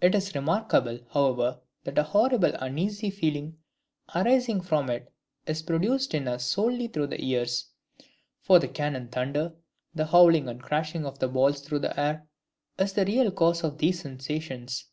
It is remarkable, however, that the horrible uneasy feeling arising from it is produced in us solely through the ears; for the cannon thunder, the howling and crashing of the balls through the air, is the real cause of these sensations.